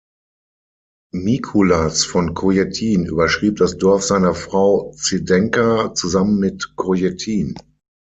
Mikuláš von Kojetín überschrieb das Dorf seiner Frau Zdenka zusammen mit Kojetín.